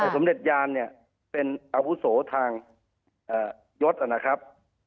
สมเด็จยานเนี่ยเป็นอาวุโสทางยศนะครับ